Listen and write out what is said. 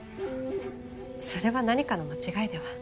それは何かの間違いでは？